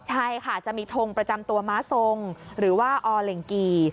ใช่ค่ะจะมีทงประจำตัวม้าทรงหรือว่าอเหล็งกี่